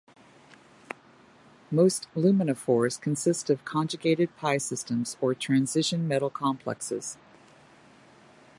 Most luminophores consist of conjugated pi systems or transition metal complexes.